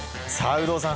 有働さん！